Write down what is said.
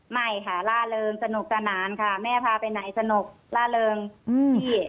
ไม่ค่ะล่าเริงสนุกสนานค่ะแม่พาไปไหนสนุกล่าเริงที่